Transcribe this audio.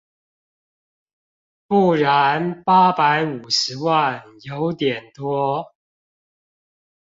不然八百五十萬有點多